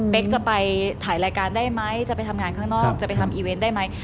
จะไปถ่ายรายการได้ไหมจะไปทำงานข้างนอกจะไปทำอีเวนต์ได้ไหม